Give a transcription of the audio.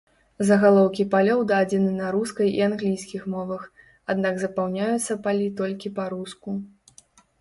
Загалоўкі палёў дадзены на рускай і англійскай мовах, аднак запаўняюцца палі толькі па-руску.